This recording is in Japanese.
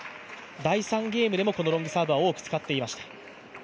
第３ゲームでもロングサーブは多く使っていました。